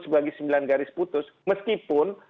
sebagai sembilan garis putus meskipun